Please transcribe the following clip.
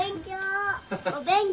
お勉強。